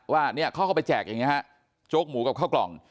ว่าเข้าเข้าไปแจกอย่างนี้โจ๊กหมูกับข้าวกล่อง